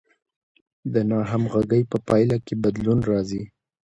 د ناهمغږۍ په پایله کې بدلون راځي.